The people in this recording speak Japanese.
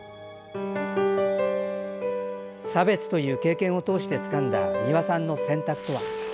差別という経験を通してつかんだ美輪さんの選択とは。